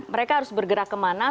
mereka harus bergerak kemana